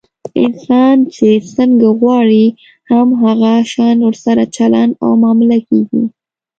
انسان چې څنګه غواړي، هم هغه شان ورسره چلند او معامله کېږي.